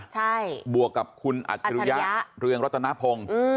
ใช่บวกกับคุณอัทธรรยาเรืองรดธนพง